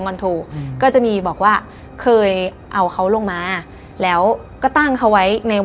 มันมีไฟบังคับ